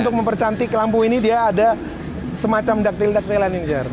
jadi cantik lampu ini dia ada semacam ductile ductilean ini jer